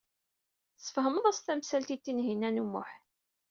Tesfehmeḍ-as tamsalt i Tinhinan u Muḥ.